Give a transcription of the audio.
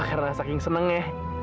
karena saking seneng ya